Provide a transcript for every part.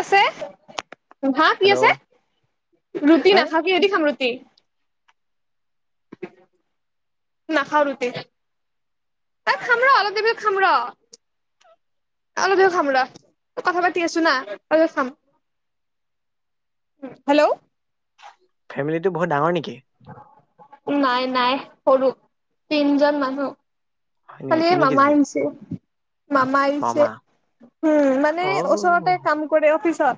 আছে হা কি আছে? হেল্ল' ৰুটি না খাওঁ কি দি খাম ৰুটি। [unintelligible] নাখাও ৰুটি। তাই খাম ৰ অলপ দেৰি পাছত খাম ৰ। অলপ দে খাম ৰ, কথা পাতি আছো না, অলপ খাম। হেল্ল'। ফেমিলিটো বহুত ডাঙৰ নেকি? নাই নাই সৰু তিনজন মানুহ। হয় নেকি কালি তিনি মামা কেজি আহিছে। মামা আহিছে উম মানে অ ওচৰতে কাম কৰে অফিচত।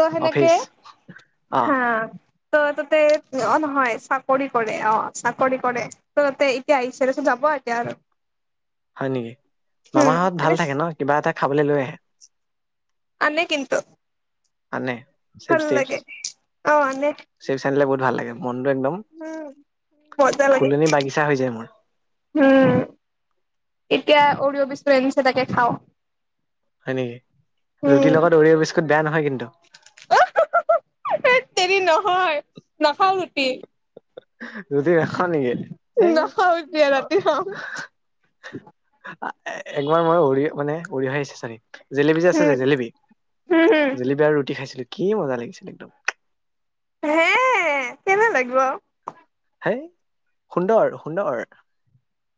ত সেনেকে অফিচ অ হা ত তাতে অ নহয় চাকৰি কৰে অ চাকৰি কৰে ত তাতে এতিয়া আহিছে যাব- ব এতিয়া আৰু। হয় নেকি উম মামাহঁত ভাল এনে থাকে ন কিবা এটা খাবলৈ লৈ আহে। আনে কিন্তু আনে চিপছ ভাল টিপছ লাগে অ আনে। চিপছ আনিলে বহুত ভাল লাগে মনটো একদম মজা লাগে ফুলনি বাগিচা হৈ যায় মোৰ [inaudible] উম এতিয়া অৰিয় অ বিস্কুট আনিছে তাকে খাওঁ। হয় নেকি ৰুটিৰ উম লগত অৰিয় বিস্কুট বেয়া নহয় কিন্তু। তেৰি নহয় নাখাও ৰুটি। ৰুটি নাখাও নেকি সেই নাখাওঁ এতিয়া ৰাতি খাম। একবাৰ মই অৰিয় অ মানে অৰিয় আহিছে চাগে। জেলেপী যে আছে যে উম জেলেপী। উম হম জেলেপী আৰু ৰুটি খাইছিলো কি মজা লাগিছিল একদম। হে কেনে লাগিব। হেই সুন্দৰ সুন্দৰ।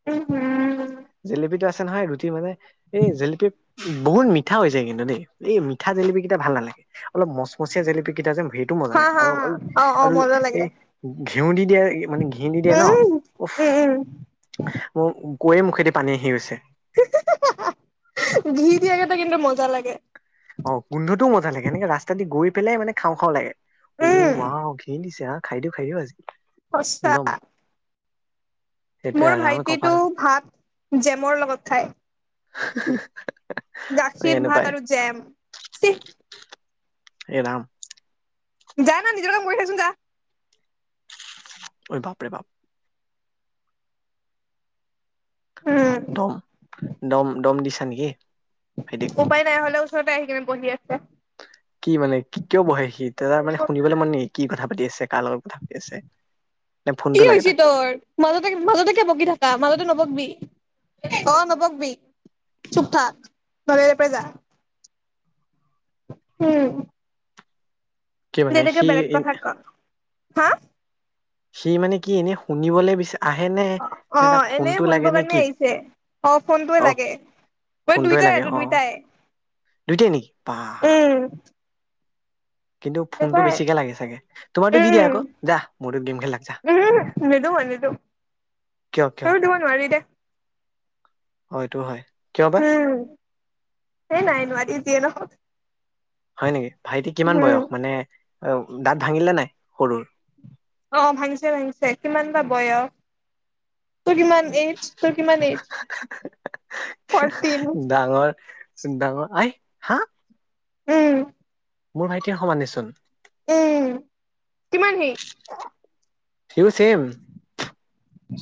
উম হম জেলেপীটো আছ- নহয় ৰুটি মানে এই জেলেপি বহুত মিঠা হৈ যায় কিন্তু দেই, এই মিঠা জলেপি কেইটা ভাল নালাগে অলপ মচমচীয়া জলেপি কেইটা যে সেইটো মজা হা লাগে হা আৰু হা অ অ আৰু মজা এ লাগে ঘিউ দি দিয়ে। মানে ঘিউ দি দিয়ে ন উম উফ উম উম মোক গৈয়ে মুখেদি পানী আহি গৈছে। ঘি দিয়াকেটা কিন্তু মজা লাগে। অ গোধটোও মজা লাগে সেকে ৰাস্তা দি গৈ পেলাই মে খাওঁ খাওঁ লাগে। অ উম ৱাও ঘি দিছে আহ খাই দিও খাই দিও আজ- সঁচা সেইটোৱে মোৰ আৰু আমাৰ ভাইটিতো কপাল ভাত জেমৰ লগত খায়। [unintelligible] এই গাখীৰ এনেকুৱাই ভাত আৰু জেম ছি এৰাম যা না নিজৰ কাম কৰি থাকচোন যা। ঐ বাপৰে বাপ। উম দম দম দম দিছা নেকি? ভাইটি উপায় নাই হ'লে ওচৰতে আহি কিনে বহি আছে। কি মানে কিয় বহে সি তাৰ মানে শুনিবলৈ মন নেকি কি কথা পাতি আছে। কাৰ লগত কথা পাতি আছে। নে কি ফোনটো লাগে হৈছে তাক তোৰ মাজতে মাজতেকে বকি থাকা মাজতে নবকি- অঁ, নবকবি চুপ থাক নহ'লে এয়া পা যা। উম। কি দে মানে দে সি বেলেগ কথা ক হা। সি মানে কি এনে শুনিবলে বিছা। অঁ, অঁ, এনে শুনব কাৰণে কি আহিছে অ ফোনটোৱে অ লাগে। ফোনটোৱে লাগে দুইটাই অ দুইটাই। দুইটাই নেকি বাহ? উম কিন্তু ফোনটো দুইটাই বেছিকে লাগে চাগে তোমাতো দি দিয়া আকৌ উম যা বহুতো গেম খেলাক যা তেনেকে। কিয় ত দিব নোৱাৰি দে। অঁ, এইটো হয় কিয় বা? এই নাই এইনোৱাৰি নিদিয়ে নহয়। হয় নেকি ভাইটি কিমান বয়স মানে দাঁত ভাঙিলে নাই সৰুৰ। অঁ, ভাঙিছে ভাঙিছে কিমান বা বয়স তোৰ কিমান এইজ। তোৰ কিমান এইজ পৰটিন। ডাঙ আই হা। উম। মোৰ ভাইটিয়ে সমানেচোন। উম কিমান সেই। হিও ছেম।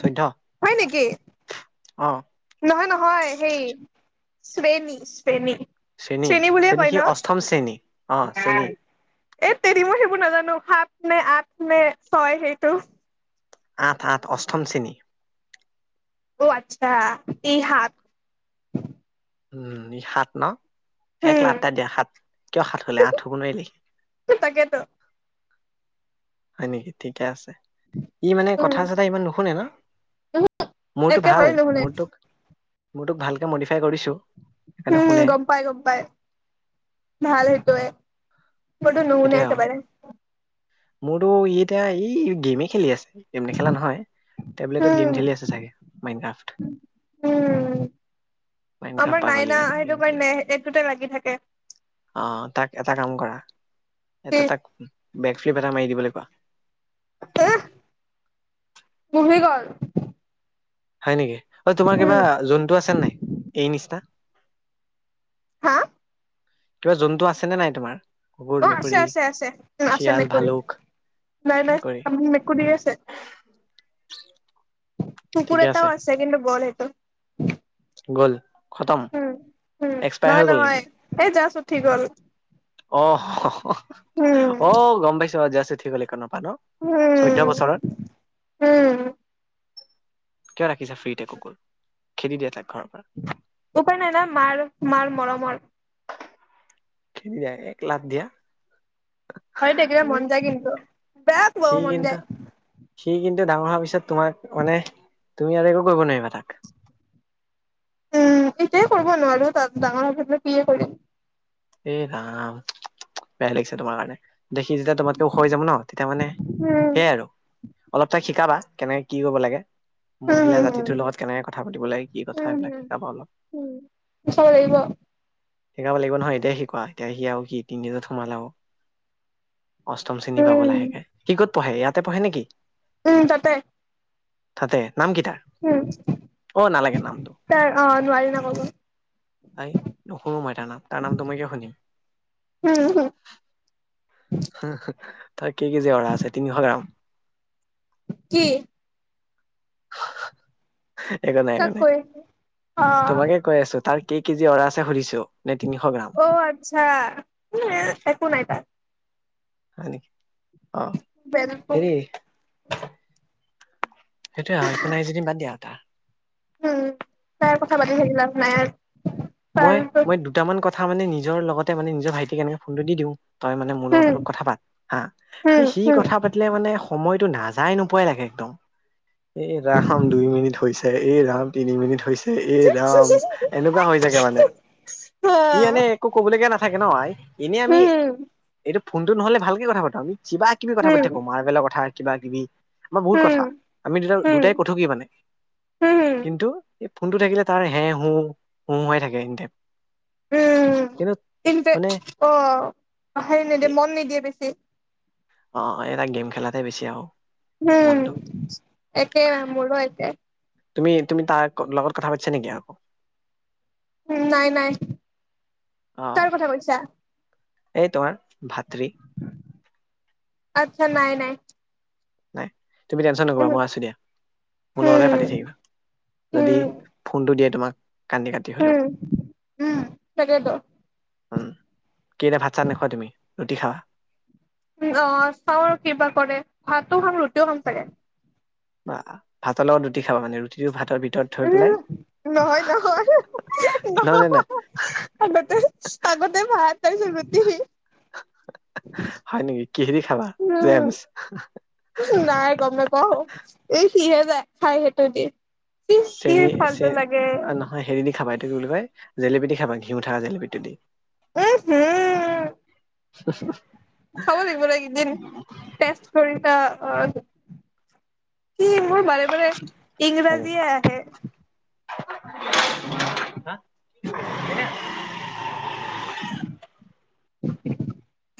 চৈধ্য হয় নেকি অ নহয়- নহয় সেই। শ্ৰেণী - শ্ৰেণী। চেনী শেণী বুলিয়ে চেনী কৈ সি ন অষ্টম শ্ৰেণী অ চেনী এ তেৰি ম। সবোৰ নাজানো সাত নে আপ নে ছয় সেইটো। আঠ আঠ অষ্টম শেণী। অ আচ্ছা এই হাত। উম সাত ন। এক উম লাাতটা দিয়া সাত কিয় সাত হলে আঠ হব নোৱাৰিলি। তাকেতো হয় নেকি ঠিকে আছে। ই মানে উম কথা চথা ইমান নুশুনে ন। মোৰতো ভাল একেবাৰে নুশুনে মোৰ তোক মোৰ তোক ভালকে মডিফাই কৰিছো। সেইকাৰণে হম শুনে গম পাই গম পাই ভাল সেইটয়ে। মূৰটো নুশুনে সেইটোৱে আৰু একেবাৰে। মোৰতো ই এতিয়া এই গেমে খেলি আছে। গেম নেখেলা নহয় টেবলেটত উম গেম খেলি আছে চাগে মাইড ক্ৰফ। উম আমাৰ নাইনা সেইটো ম নে এক দুট লাগি থাকে। অঁ, তাক এটা কাম কৰা। কি এটা তাক বেক ফ্লিপ এটা মাৰি দিবলৈ কোৱা। হ তহি গল। হয় নেকি অঁ, তোমাৰ কিবা উম জন্তু আছে নাই এই নিচিনা। হা। কিবা জন্তু আছে নে নাই তোমাৰ। কুকুৰ অঁ, মেকুৰী আছে- আছে- আছে- আছে শিয়াল মেকুৰী। ভালুক নাই নাই মেকুৰী আপনি মেকুৰী আছে। কুকুৰ এটাও আছে কিন্তু গল হেইটো। গ'ল। খতম উম হম এক্সপায়াৰ নহয় হৈ গ'ল নহয় নেকি এই জাচ উঠি গ'ল। অ হঃ হঃ হঃ উম অ গম পাইছো আজি আছো ঠিক হলেন। প ন চৈধ্যয় উম বছৰত। উম কিয় ৰাখিছা ফ্ৰী টে ক অক খেদি দিয়া তাক। ঘৰৰ পৰা উপায় নাই না মাৰ মাৰ মৰমৰ। খেদি দিয়া এক লাট দিয়া। হৈ থাকিলে মন যায় কিন্তু বেয়া সি খুৱাব মন কিন্তু যায় সি কিন্তু। ডাঙৰ হোৱাৰ পিছত তোমাক মানে তুমি আৰু একো কৰিব নোৱাৰিবা তাক। তেতিয়াই কৰিব নোৱাৰো তাত ডাঙৰ হো কিয়ে কৰিম। এই ৰাম বেয়া লাগিছে তোমাৰ কাৰণে। দেখি যেতিয়া তোমাতকে ওখ হয় যাব ন তেতিয়া মানে উম সেইয়াই আৰু। অলপ তাইক শিকাবা কেনেকে কি কৰিব লাগে। উম মহিলা হম জাতিটোৰ হম লগত কেনেকে কথা পাতিব লাগে কি কথা এইবিলাক শিকাব অলপ। শিকাব লাগিব। শিকাব লাগিব নহয় এতিয়াই শিকোৱা এতিয়াই সি আৰু স তিনিদজনত সোমালা আৰু। অষ্টম শ্ৰেণী পাব উম লাহেকে সি ক'ত পঢ়ে ইয়াতে পঢ়ে নেকি। উম তাতে। থাতে। উম ত নামটো অ নোৱাৰি নামাবো। তাই নোশুনো মই তাৰ নাম তাৰ নামটো মই কিয় শুনিম। উম হম, হু কি কি কেজি অৰা [unintelligible] আছে তিনিশ গ্ৰাম কি একো নাই একো তাক নাই কৈ অ তোমাকে কৈ আছো তাৰ কেই কেজি অ ৰা আছে সুধিছো। নে তিনিশ গ্ৰাম অ আচ্ছা একো নাই তাত। হয় নেকি? অ বেলেক হেৰি সেইটোয়ে একো নাই যদি বাদ দিয়া তাৰ। উম তাৰ কথা পাতি থাকি লাভ নাই আৰ। মই মই দুটামান কথা মানে নিজৰ লগতে মানে নিজৰ ভাইটি সি কেনেকে ফোনটো দি দিওঁ তই মানে মোৰ লগত অলপ কথা পাত হা উম সি উম কথা পাতিলে মানে সময় টো নাযায় নোপোৱাই লাগে একদম এ ৰাখাম দুই মিনিট হৈছে। এ ৰাম তিনি মিনিট হৈছে এ ৰাম এনেকুৱা হৈ যে মানে ই এনে একো কবলগীয়া নাথাকে ন আই এনেই উম আমি উম যেতিয়া ফোনটো নহ'লে ভালকে কথা পটো কিবা কিবি কথা পাতি থাকো মাৰ্বেলৰ কথা কিবা কিবি আমাৰ বহুত উম কথা উম আমি দুটা দুটাই কথকি কি মানে উম কিন্তু। এই ফোনটো থাকিলে তাৰ হে হো হো হো হৈ থাকে উম কিন্তু কিন্তু মানে অ হেৰি নিদিয়ে মন নিদিয়ে বেছি অহ এটা গেম খেলাতে বেছি আৰু উম মনটো একেই মোৰো একেই। তুমি তুমি তাৰ লগত কথা পাতিছা নেকি আকৌ। নাই নাই অ কাৰ কথা কৈছা। এই তোমাৰ ভাতৃ। আচ্ছা নাই নাই। নাই। তুমি টেনশন নকৰিবা উম মই আছোঁ দিয়া মোৰ লগত উম পাতি থাকিবা যদি উম ফোনটো দিয়ে তোমাক কান্দি কাটি হ'লেওঁ। উম উম তাকেতো উম কি এতিয়া ভাত চাত নেখোৱা তুমি ৰুটি খাবা। অ চাওঁ আৰু কিবা কৰে ভাতো খাম ৰুটিও খাম চাগে। বা ভাতৰ লগত ৰুটি খাব মানে ৰুটিটো ভাতৰ ভিতৰত থৈ পেলাই উম নহয় নহয় নহ নহয় নহয় নহয় আগতে আগতে ভাত তাৰ পিছত ৰুটি হয় নেকি? কিহেদি খাবা জেমছ উম নাই গম নেপাওঁ এই সি হে যায় খাই সেইটো দি। কি কি চেনি চে ফাল্টু লাগে নহয় হেৰি দি খাব এ কি বুলি কয় জেলেপী দি খাবা ঘিউ উথা জেলেপিটো দি। উম হু। চাব লাগিব একদিন ষ্টেচ কৰি [unintelligible] সি মোৰ বাৰে বাৰে ইংৰাজীয়ে আহে। হ [unintelligible] [inaudible]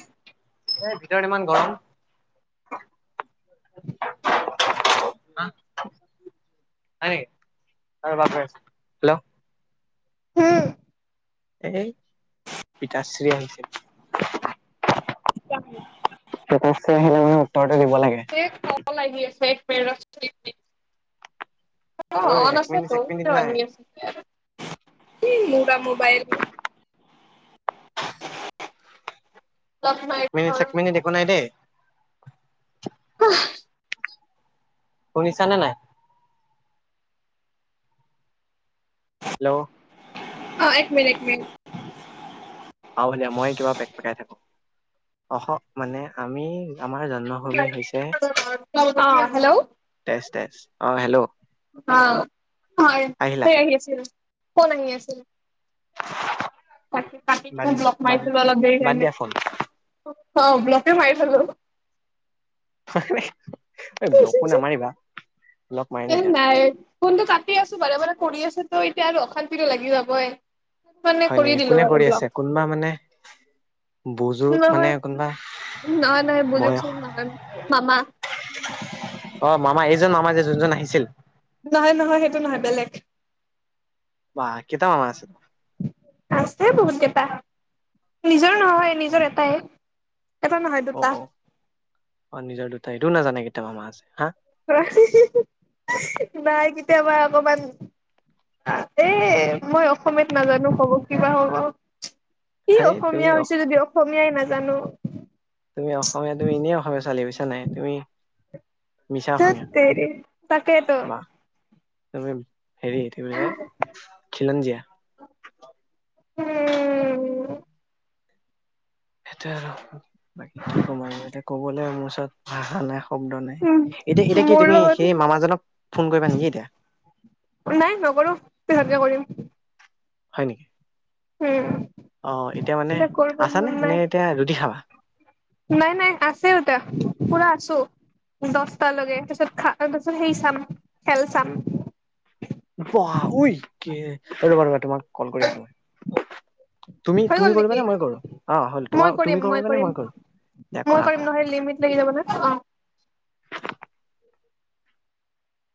ভিতৰত ইমান গৰম [unintelligible] হয় নেকি? হেল্ল' হুম। এই পিতাশ্ৰী আহিছে। চ [inaudible] পিতাশ্ৰী আহিলে মানে উত্তৰটো দিব লাগে। ব [unintelligible] অ ঐ অ আন এক আছে মিনিট তো এক মিনিট নাই [unintelligible] ই মুগা মোবাইল। কম নাই এক ন মিনিট চেক [unintelligible] মিনিট একো নাই দেই হ [inaudible] শুনিছানে নাই? হেল্ল'। অ এক মিনিট এক মিনিট আহ ভা মই কিবা পেক পকাই থাকো অ মানে আমি আমাৰ জন্মভূমি হৈছে অ', হেল্ল' তেজ তেজ অ হেল্ল'। অ হয় আহিলা আহ আছিল ফোন আহি আছিল। তাক কাতি বাদ দিলোঁ বলক মাৰি বাদ দিলো অলপ দেৰি বাদ কাৰনে। দিয়া ফোন অ ব্লক মাৰি থলো। [unintelligible] ব্লকও নামাৰিবা। ব্লক মাৰে এই নেকি আৰু নাই ফনটো কাটি আছো বাৰে বাৰে কৰি আছেতো এতিয়া আৰু অশান্তিটো লাগি যাবই। মানে হয় নেকি কৰি কোনে দিলো আৰু আছে ব্লক। কোনোবা মানে বুজুৰ্গ মানে নহয় কোনোবা নহ নহয় বয়স বুজকচোন নহয় মামা। অ মামা এইজন মামা যে যোনজন আহিছিল নহয় নহয় সেইটো নহয় বেলেগ। বাহ কেইটা মামা আছে? আছে বহুত কেইটা নিজৰ নহয় অ নিজৰ এটাই। এটা নহয় অ দুটা অ অ নিজৰ দুটাইটো নাজানে কেতিয়াবা মামা আছে হা? [unintelligible] নাই কেতিয়াবা অকমান। এ মই অসমীয়ত নাজানো কব কিবা হ'ব। স হেই তুমি অসমীয়া অ হৈছে যদি অসমীয়াই নাজানো। তুমি অসমীয়া তুমি এনেই অসমীয়া ছোৱালী বুইছা নে নাই তুমি মিছা থ অসমীয়া তেৰি তাকেইটো। ত হেৰি কি বুলি কয় খিলঞ্জীয়া। উম। সেইটোয়ে আৰু বাকি কি কম আৰু এতিয়া কবলৈ মোৰ ওচৰত ভাষা নাই। শব্দ নাই উম এতিয়া এতিয়া কি মোৰ তুমি লগত সেই মামাজনক ফোন কৰিবা নেকি এতিয়া? নাই নকৰো পিছতকে কৰিম। উম হয় নেকি? অ' এতিয়া মানে কৰিব আছা নে মন নে নাই এতিয়া ৰুটি খাবা। নাই নাই আছে দেতা পুৰা আছো। দহটালৈকে তাপিছত খা তাৰপছত সেই চাম খেল চাম। বহ ঐ কি ৰবা ৰবা তোমাক কল কৰি আছো মই। তুমি হৈ গ'ল তুমি নেকি কৰিবানে? মই কৰো অ' হল মই তোমাৰ কৰিম তুমি কৰানে কৰিম মই কৰো দিয়া মই কৰা কৰিম কৰা নহয় লিমিট লাগি যাব ন অ' [inaudible]